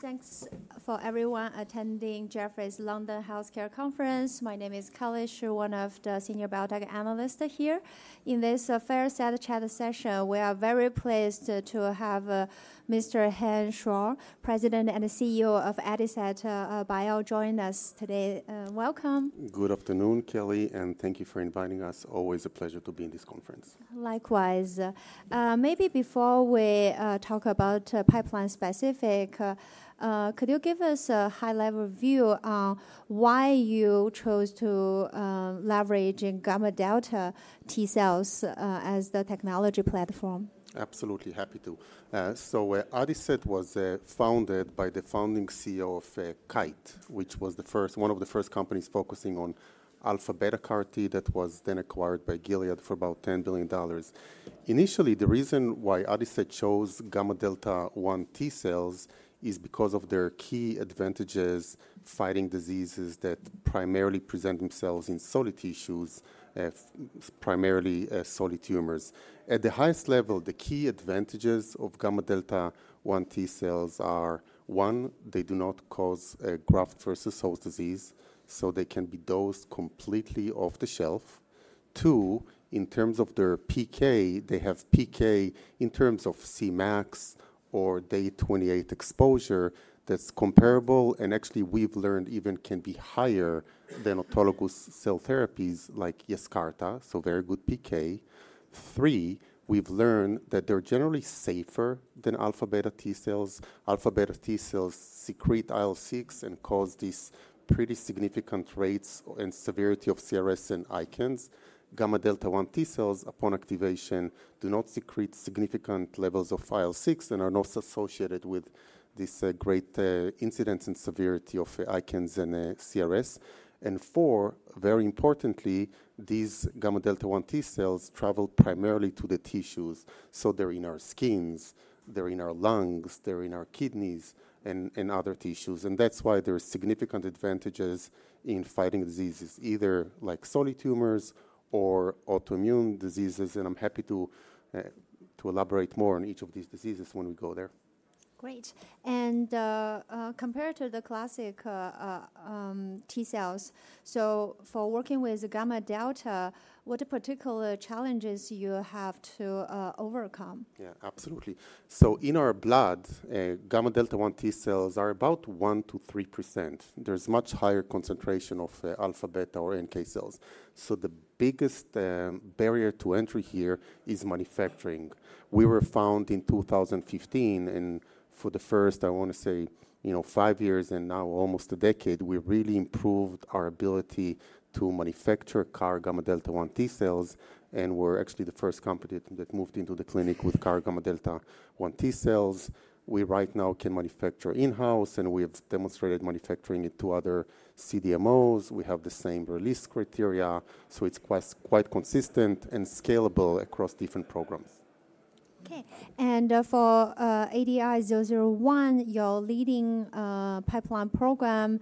Thanks to everyone attending Jefferies London Healthcare Conference. My name is Kelly Shi, one of the Senior Biotech Analysts here. In this fireside chat session, we are very pleased to have Mr. Chen Schor, President and CEO of Adicet Bio, join us today. Welcome. Good afternoon, Kelly, and thank you for inviting us. Always a pleasure to be in this conference. Likewise. Maybe before we talk about pipeline specific, could you give us a high-level view on why you chose to leverage gamma delta T cells as the technology platform? Absolutely. Happy to. So Adicet was founded by the founding CEO of Kite, which was one of the first companies focusing on alpha-beta CAR-T that was then acquired by Gilead for about $10 billion. Initially, the reason why Adicet chose gamma-delta 1 T cells is because of their key advantages fighting diseases that primarily present themselves in solid tissues, primarily solid tumors. At the highest level, the key advantages of gamma-delta 1 T cells are: one, they do not cause graft versus host disease, so they can be dosed completely off the shelf. Two, in terms of their PK, they have PK in terms of Cmax or day 28 exposure that's comparable and actually we've learned even can be higher than autologous cell therapies like Yescarta, so very good PK. Three, we've learned that they're generally safer than alpha-beta T cells. Alpha beta T cells secrete IL-6 and cause these pretty significant rates and severity of CRS and ICANS. Gamma delta 1 T cells, upon activation, do not secrete significant levels of IL-6 and are not associated with this great incidence and severity of ICANS and CRS. And four, very importantly, these gamma delta 1 T cells travel primarily to the tissues, so they're in our skins, they're in our lungs, they're in our kidneys, and other tissues. And that's why there are significant advantages in fighting diseases, either like solid tumors or autoimmune diseases. And I'm happy to elaborate more on each of these diseases when we go there. Great. And compared to the classic T cells, so for working with gamma delta, what particular challenges do you have to overcome? Yeah, absolutely. So in our blood, gamma delta 1 T cells are about 1%-3%. There's much higher concentration of alpha-beta or NK cells. So the biggest barrier to entry here is manufacturing. We were founded in 2015, and for the first, I want to say, five years and now almost a decade, we really improved our ability to manufacture CAR gamma delta 1 T cells. And we're actually the first company that moved into the clinic with CAR gamma delta 1 T cells. We right now can manufacture in-house, and we have demonstrated manufacturing it to other CDMOs. We have the same release criteria, so it's quite consistent and scalable across different programs. Okay, and for ADI-001, your leading pipeline program,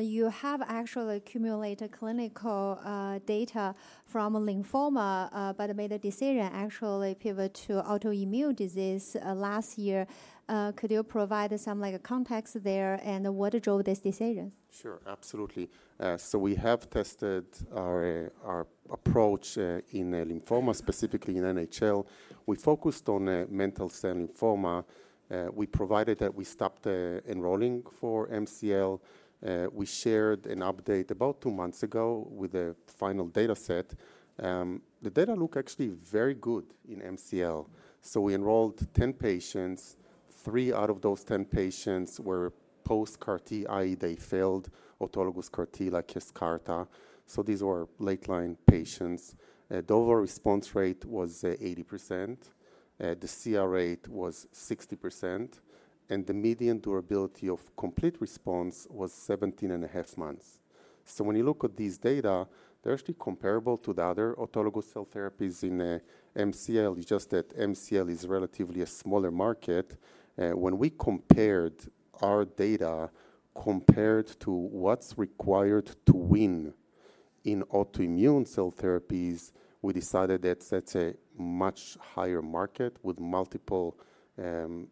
you have actually accumulated clinical data from lymphoma, but made a decision actually pivot to autoimmune disease last year. Could you provide some context there and what drove this decision? Sure, absolutely. So we have tested our approach in lymphoma, specifically in NHL. We focused on mantle cell lymphoma. We provided that we stopped enrolling for MCL. We shared an update about two months ago with the final data set. The data looked actually very good in MCL. So we enrolled 10 patients. Three out of those 10 patients were post CAR-T, i.e., they failed autologous CAR-T like Yescarta. So these were late-line patients. The overall response rate was 80%. The CR rate was 60%. And the median durability of complete response was 17 and a half months. So when you look at these data, they're actually comparable to the other autologous cell therapies in MCL. It's just that MCL is relatively a smaller market. When we compared our data to what's required to win in autoimmune cell therapies, we decided that's a much higher market with multiple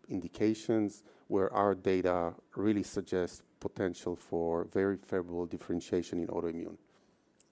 indications where our data really suggests potential for very favorable differentiation in autoimmune.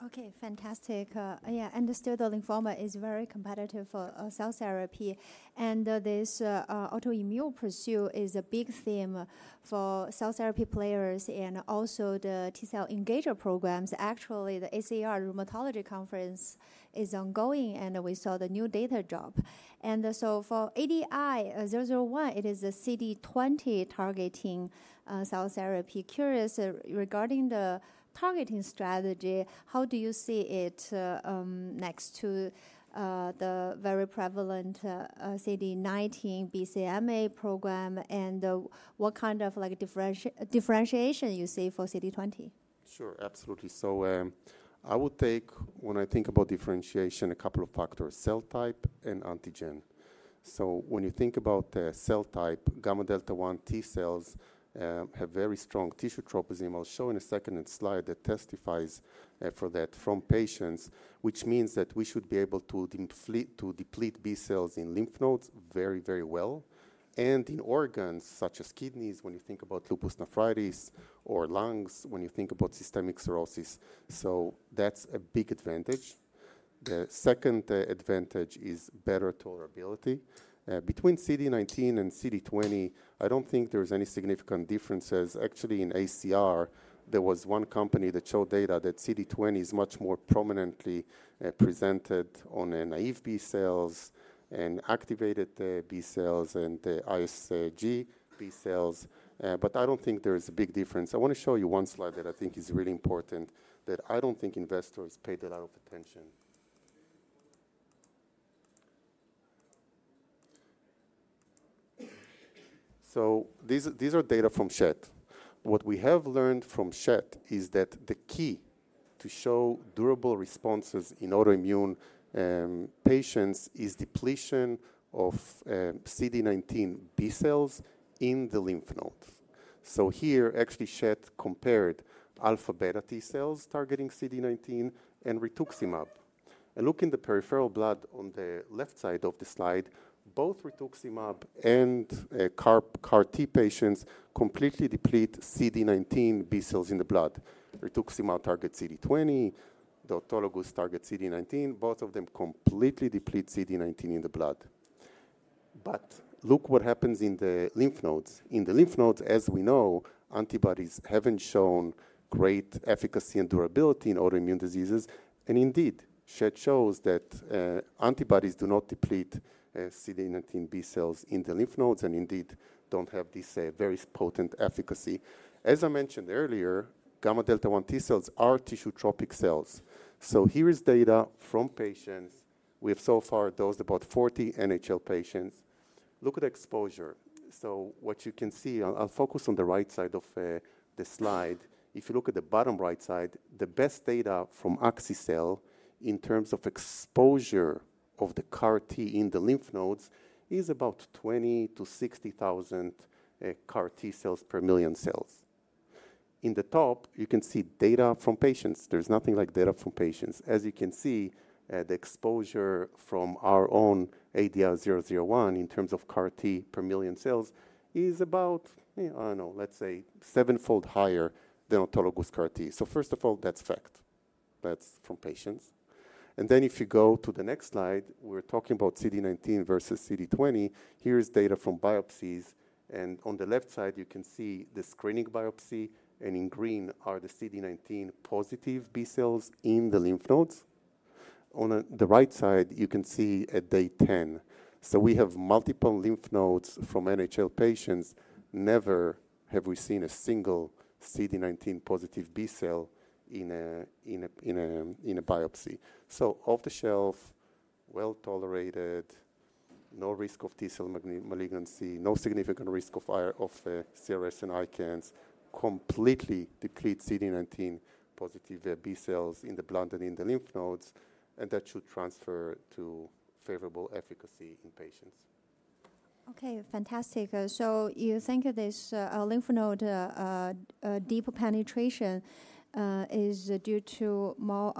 Okay, fantastic. Yeah, I understood the lymphoma is very competitive for cell therapy. And this autoimmune pursuit is a big theme for cell therapy players and also the T cell engager programs. Actually, the ACR rheumatology conference is ongoing, and we saw the new data drop. And so for ADI-001, it is a CD20 targeting cell therapy. Curious regarding the targeting strategy, how do you see it next to the very prevalent CD19 BCMA program and what kind of differentiation you see for CD20? Sure, absolutely. So I would take, when I think about differentiation, a couple of factors: cell type and antigen. So when you think about cell type, gamma delta 1 T cells have very strong tissue tropism. I'll show in a second slide that testifies for that from patients, which means that we should be able to deplete B cells in lymph nodes very, very well. And in organs such as kidneys, when you think about lupus nephritis or lungs, when you think about systemic sclerosis. So that's a big advantage. The second advantage is better tolerability. Between CD19 and CD20, I don't think there's any significant differences. Actually, in ACR, there was one company that showed data that CD20 is much more prominently presented on naive B cells and activated B cells and ISG B cells. But I don't think there's a big difference. I want to show you one slide that I think is really important that I don't think investors paid a lot of attention. So these are data from Schett. What we have learned from Schett is that the key to show durable responses in autoimmune patients is depletion of CD19 B cells in the lymph nodes. So here, actually, Schett compared alpha beta T cells targeting CD19 and rituximab. And look in the peripheral blood on the left side of the slide, both rituximab and CAR-T patients completely deplete CD19 B cells in the blood. Rituximab targets CD20, the autologous targets CD19. Both of them completely deplete CD19 in the blood. But look what happens in the lymph nodes. In the lymph nodes, as we know, antibodies haven't shown great efficacy and durability in autoimmune diseases. Indeed, Schett shows that antibodies do not deplete CD19 B cells in the lymph nodes and indeed don't have this very potent efficacy. As I mentioned earlier, gamma delta 1 T cells are tissue tropic cells. Here is data from patients. We have so far dosed about 40 NHL patients. Look at the exposure. What you can see, I'll focus on the right side of the slide. If you look at the bottom right side, the best data from Axi-cel in terms of exposure of the CAR-T in the lymph nodes is about 20,000-60,000 CAR-T cells per million cells. In the top, you can see data from patients. There's nothing like data from patients. As you can see, the exposure from our own ADI-001 in terms of CAR-T per million cells is about, I don't know, let's say seven-fold higher than autologous CAR-T. So first of all, that's fact. That's from patients. And then if you go to the next slide, we're talking about CD19 versus CD20. Here is data from biopsies. And on the left side, you can see the screening biopsy. And in green are the CD19 positive B cells in the lymph nodes. On the right side, you can see at day 10. So we have multiple lymph nodes from NHL patients. Never have we seen a single CD19 positive B cell in a biopsy. So off the shelf, well tolerated, no risk of T cell malignancy, no significant risk of CRS and ICANS, completely deplete CD19 positive B cells in the blood and in the lymph nodes. And that should transfer to favorable efficacy in patients. Okay, fantastic. So you think this lymph node deep penetration is due to more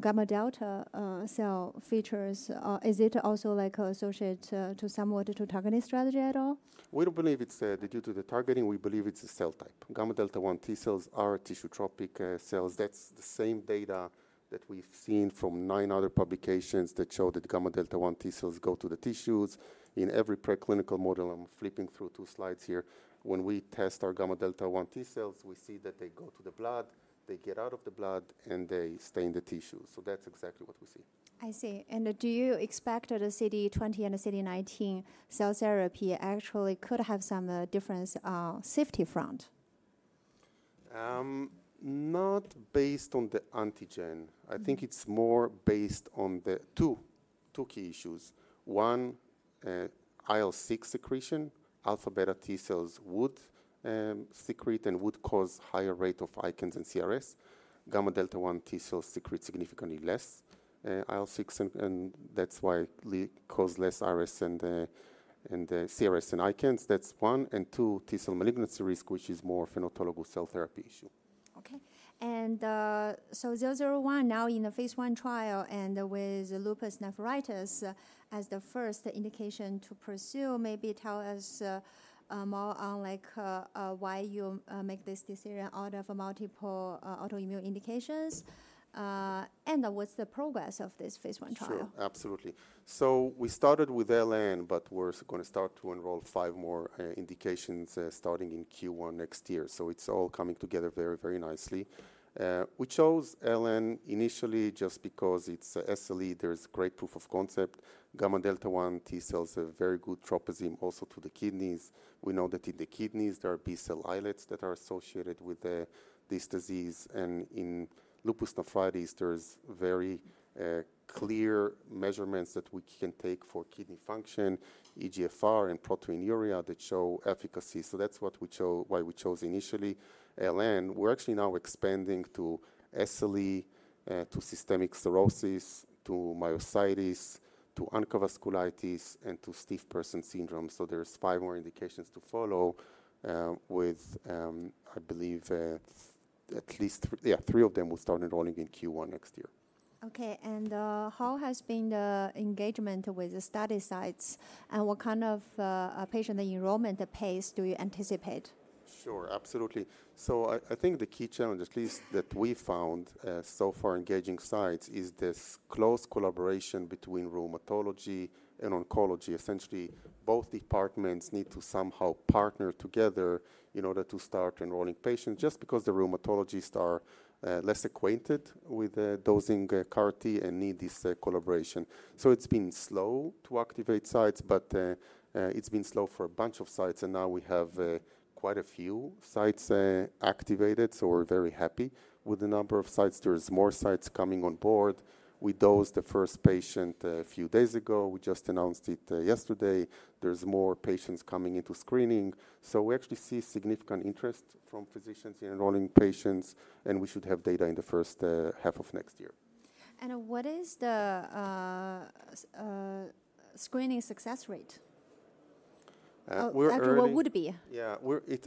gamma delta cell features. Is it also associated to some auto targeting strategy at all? We don't believe it's due to the targeting. We believe it's a cell type. Gamma delta 1 T cells are tissue-tropic cells. That's the same data that we've seen from nine other publications that show that gamma delta 1 T cells go to the tissues. In every preclinical model, I'm flipping through two slides here. When we test our gamma delta 1 T cells, we see that they go to the blood, they get out of the blood, and they stay in the tissue. So that's exactly what we see. I see. And do you expect the CD20 and the CD19 cell therapy actually could have some difference on safety front? Not based on the antigen. I think it's more based on two key issues. One, IL-6 secretion. Alpha-beta T cells would secrete and would cause higher rate of ICANS and CRS. Gamma delta 1 T cells secrete significantly less IL-6, and that's why it causes less CRS and ICANS. That's one. And two, T cell malignancy risk, which is more of an autologous cell therapy issue. Okay. And so ADI-001, now in the phase I trial and with lupus nephritis as the first indication to pursue, maybe tell us more on why you make this decision out of multiple autoimmune indications and what's the progress of this phase I trial? Sure, absolutely. So we started with LN, but we're going to start to enroll five more indications starting in Q1 next year. So it's all coming together very, very nicely. We chose LN initially just because it's SLE. There's great proof of concept. Gamma delta T cells are very good tissue tropism also to the kidneys. We know that in the kidneys, there are B cell islets that are associated with this disease. And in lupus nephritis, there's very clear measurements that we can take for kidney function, eGFR, and proteinuria that show efficacy. So that's what we chose, why we chose initially LN. We're actually now expanding to SLE, to systemic sclerosis, to myositis, to ANCA-associated vasculitis, and to stiff person syndrome. So there's five more indications to follow with, I believe, at least, yeah, three of them will start enrolling in Q1 next year. Okay. And how has been the engagement with the study sites and what kind of patient enrollment pace do you anticipate? Sure, absolutely. So I think the key challenge, at least that we found so far engaging sites, is this close collaboration between rheumatology and oncology. Essentially, both departments need to somehow partner together in order to start enrolling patients just because the rheumatologists are less acquainted with dosing CAR-T and need this collaboration. So it's been slow to activate sites, but it's been slow for a bunch of sites. And now we have quite a few sites activated. So we're very happy with the number of sites. There are more sites coming on board. We dosed the first patient a few days ago. We just announced it yesterday. There's more patients coming into screening. So we actually see significant interest from physicians in enrolling patients, and we should have data in the first half of next year. What is the screening success rate? What would it be? Yeah,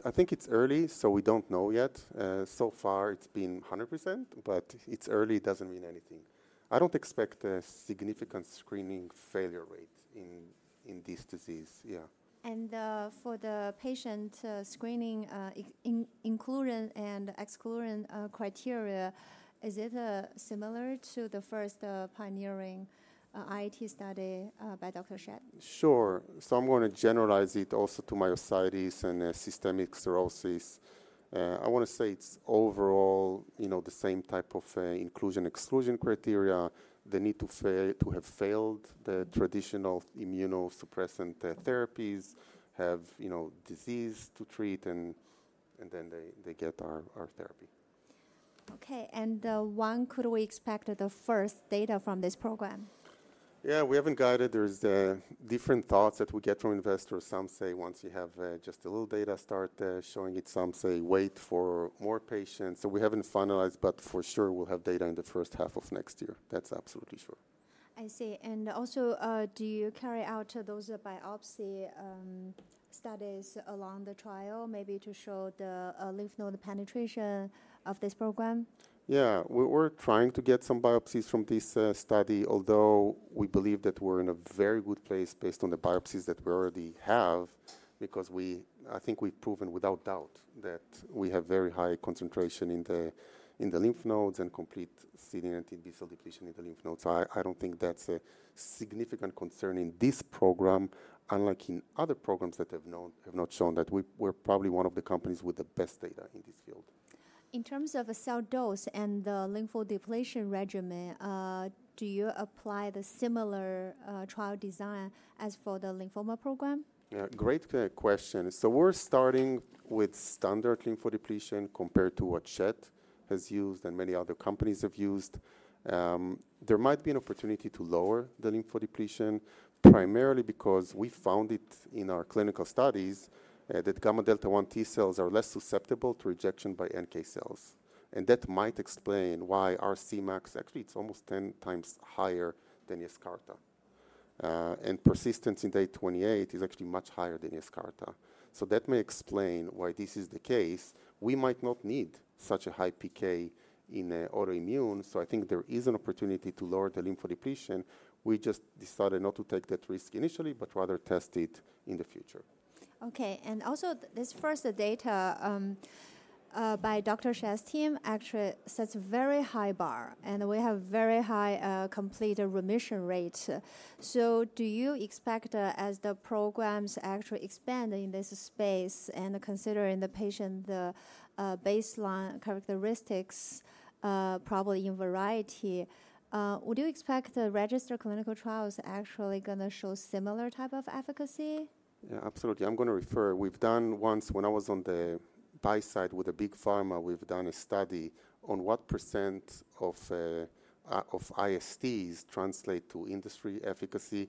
I think it's early, so we don't know yet. So far, it's been 100%, but it's early, doesn't mean anything. I don't expect a significant screening failure rate in this disease, yeah. For the patient screening, inclusion and exclusion criteria, is it similar to the first pioneering IST study by Dr. Schett? Sure. So I'm going to generalize it also to myositis and systemic sclerosis. I want to say it's overall the same type of inclusion-exclusion criteria. They need to have failed the traditional immunosuppressant therapies, have disease to treat, and then they get our therapy. Okay. And one, could we expect the first data from this program? Yeah, we haven't got it. There's different thoughts that we get from investors. Some say once you have just a little data, start showing it. Some say wait for more patients. So we haven't finalized, but for sure, we'll have data in the first half of next year. That's absolutely sure. I see. And also, do you carry out those biopsy studies along the trial maybe to show the lymph node penetration of this program? Yeah, we're trying to get some biopsies from this study, although we believe that we're in a very good place based on the biopsies that we already have because I think we've proven without doubt that we have very high concentration in the lymph nodes and complete CD19 B cell depletion in the lymph nodes. I don't think that's a significant concern in this program, unlike in other programs that have not shown that we're probably one of the companies with the best data in this field. In terms of cell dose and the lymphodepletion regimen, do you apply the similar trial design as for the lymphoma program? Great question. So we're starting with standard lymphodepletion compared to what Schett has used and many other companies have used. There might be an opportunity to lower the lymphodepletion primarily because we found it in our clinical studies that gamma delta 1 T cells are less susceptible to rejection by NK cells. And that might explain why our Cmax, actually, it's almost 10 times higher than Yescarta. And persistence in day 28 is actually much higher than Yescarta. So that may explain why this is the case. We might not need such a high PK in autoimmune. So I think there is an opportunity to lower the lymphodepletion. We just decided not to take that risk initially, but rather test it in the future. Okay. And also, this first data by Dr. Schett's team actually sets a very high bar, and we have very high complete remission rate. So do you expect as the programs actually expand in this space and considering the patient baseline characteristics, probably in variety, would you expect registered clinical trials actually going to show similar type of efficacy? Yeah, absolutely. I'm going to refer. We've done once when I was on the buy side with a big pharma, we've done a study on what % of ISTs translate to industry efficacy.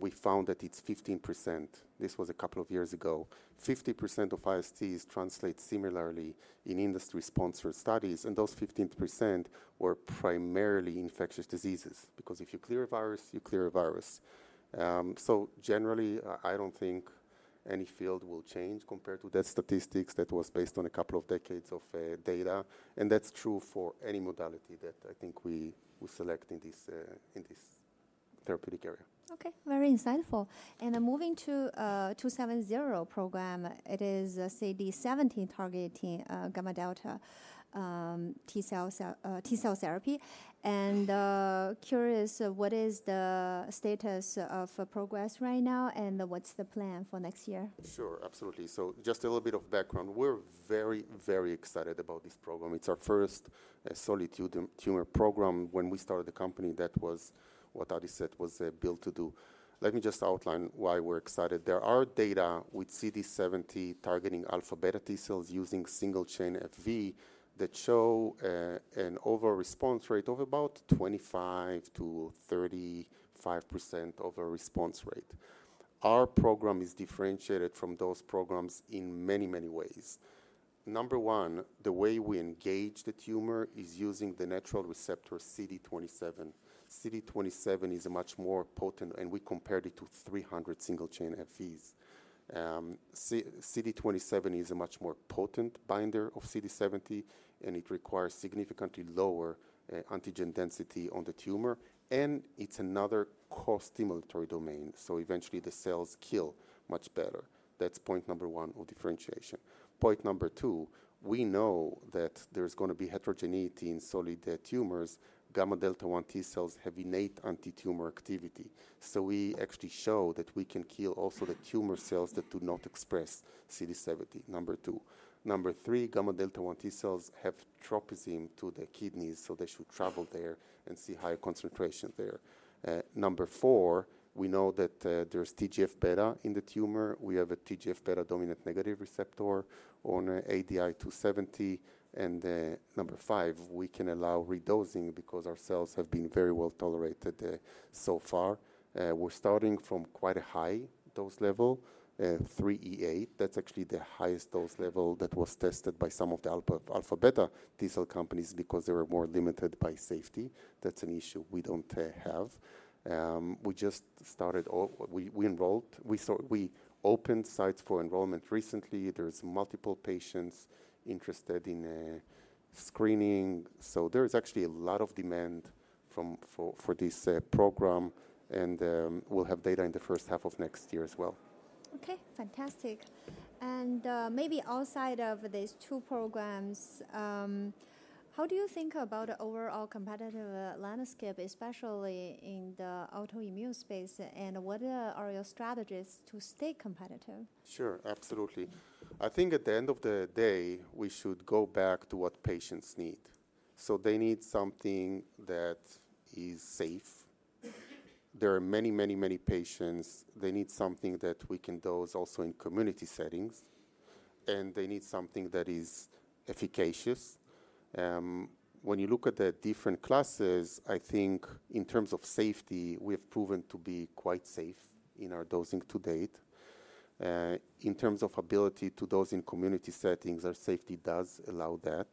We found that it's 15%. This was a couple of years ago. 50% of ISTs translate similarly in industry-sponsored studies. Those 15% were primarily infectious diseases because if you clear a virus, you clear a virus. Generally, I don't think any field will change compared to that statistics that was based on a couple of decades of data. That's true for any modality that I think we select in this therapeutic area. Okay, very insightful. And moving to 270 program, it is CD70 targeting gamma delta T cell therapy. And curious, what is the status of progress right now and what's the plan for next year? Sure, absolutely. So just a little bit of background. We're very, very excited about this program. It's our first solid tumor program. When we started the company, that was what Adicet was built to do. Let me just outline why we're excited. There are data with CD70 targeting alpha-beta T cells using single-chain Fv that show an overall response rate of about 25%-35% overall response rate. Our program is differentiated from those programs in many, many ways. Number one, the way we engage the tumor is using the natural receptor CD27. CD27 is much more potent, and we compared it to 300 single-chain Fvs. CD27 is a much more potent binder of CD70, and it requires significantly lower antigen density on the tumor. And it's another co-stimulatory domain. So eventually, the cells kill much better. That's point number one of differentiation. Point number two, we know that there's going to be heterogeneity in solid tumors. Gamma delta 1 T cells have innate anti-tumor activity. So we actually show that we can kill also the tumor cells that do not express CD70. Number two. Number three, gamma delta 1 T cells have tissue tropism to the kidneys, so they should travel there and see higher concentration there. Number four, we know that there's TGF-beta in the tumor. We have a TGF-beta dominant negative receptor on ADI-270. And number five, we can allow redosing because our cells have been very well tolerated so far. We're starting from quite a high dose level, 3E8. That's actually the highest dose level that was tested by some of the alpha-beta T cell companies because they were more limited by safety. That's an issue we don't have. We just started all we enrolled. We opened sites for enrollment recently. There's multiple patients interested in screening, so there's actually a lot of demand for this program, and we'll have data in the first half of next year as well. Okay, fantastic. Maybe outside of these two programs, how do you think about the overall competitive landscape, especially in the autoimmune space? What are your strategies to stay competitive? Sure, absolutely. I think at the end of the day, we should go back to what patients need. So they need something that is safe. There are many, many, many patients. They need something that we can dose also in community settings. And they need something that is efficacious. When you look at the different classes, I think in terms of safety, we have proven to be quite safe in our dosing to date. In terms of ability to dose in community settings, our safety does allow that.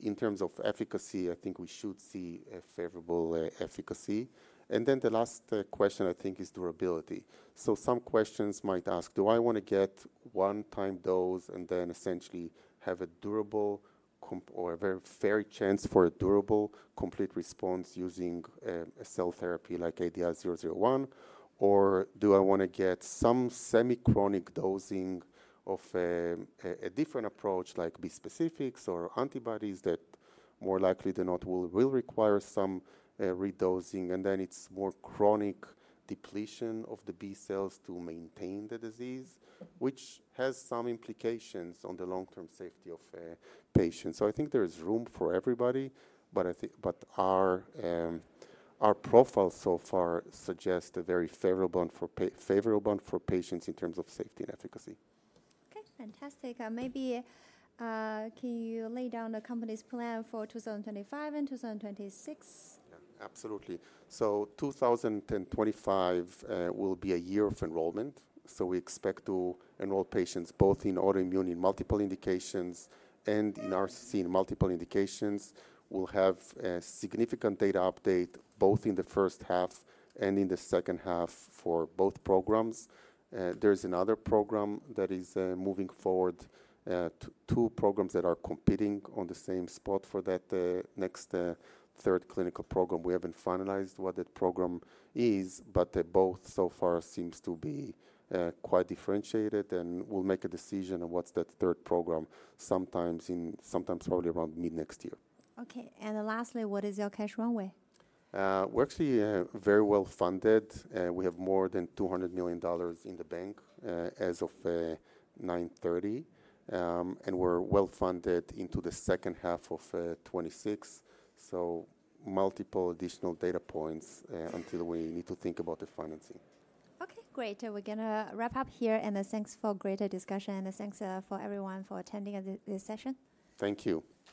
In terms of efficacy, I think we should see a favorable efficacy. And then the last question, I think, is durability. So some questions might ask, do I want to get one-time dose and then essentially have a durable or a very fair chance for a durable complete response using a cell therapy like ADI-270? Or do I want to get some semi-chronic dosing of a different approach like bispecifics or antibodies that more likely than not will require some redosing? And then it's more chronic depletion of the B cells to maintain the disease, which has some implications on the long-term safety of patients. So I think there is room for everybody, but our profile so far suggests a very favorable one for patients in terms of safety and efficacy. Okay, fantastic. Maybe can you lay down the company's plan for 2025 and 2026? Yeah, absolutely. So 2025 will be a year of enrollment. So we expect to enroll patients both in autoimmune in multiple indications and in RCC in multiple indications. We'll have a significant data update both in the first half and in the second half for both programs. There's another program that is moving forward, two programs that are competing on the same spot for that next third clinical program. We haven't finalized what that program is, but both so far seem to be quite differentiated. And we'll make a decision on what's that third program sometime probably around mid next year. Okay, and lastly, what is your cash runway? We're actually very well funded. We have more than $200 million in the bank as of 9/30. And we're well funded into the second half of 2026. So multiple additional data points until we need to think about the financing. Okay, great. We're going to wrap up here. And thanks for great discussion. And thanks for everyone for attending this session. Thank you.